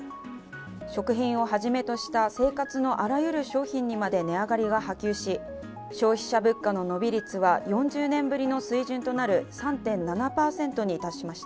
食品をはじめとした生活のあらゆる商品にまで値上がりが波及し消費者物価の伸び率は４０年ぶりの水準となる３．７％に達しました。